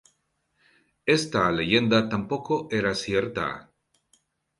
Esta leyenda tampoco era cierta.